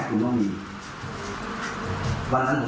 อีกดีคุณผมเคี่ยวคุณไปหัวคอไว้